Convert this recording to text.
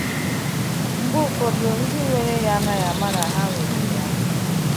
Mgbe ụfọdụ ndị nwere ya anaghị ama na ha nwere ya.